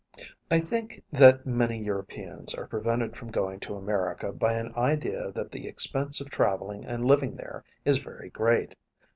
I think that many Europeans are prevented from going to America by an idea that the expense of traveling and living there is very great.